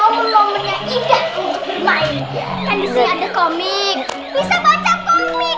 apalagi anak kecil itu kan membutuhkan momen momen yang indah untuk bermain